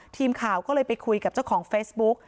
ทีมข่าวก็เลยไปคุยกับเจ้าของเฟซบุ๊ก